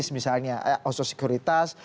misalnya oso securitas